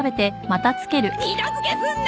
二度づけすんな！